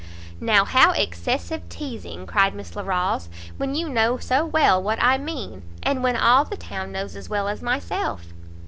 "Now how excessive teazing!" cried Miss Larolles, "when you know so well what I mean, and when all the town knows as well as myself."